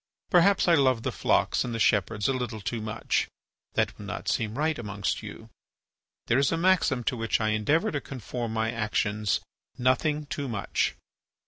Perhaps I love the flocks and the shepherds a little too much. That would not seem right amongst you. There is a maxim to which I endeavour to conform my actions, "Nothing too much."